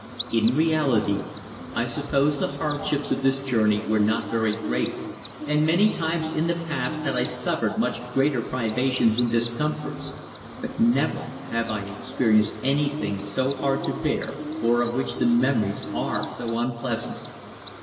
In reality I suppose the hardships of this journey were not very great, and many times in the past had I suffered much greater privations and discomforts, but never have I experienced anything so hard to bear, or of which the memories are so unpleasant.